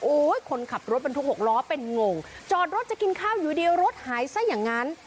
คนขับรถบรรทุก๖ล้อเป็นงงจอดรถจะกินข้าวอยู่เดียวรถหายซะอย่างนั้น